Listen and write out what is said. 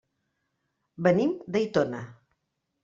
Venim d'Aitona.